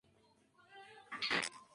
Suele darse misa.